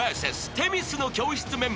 『女神の教室』メンバー］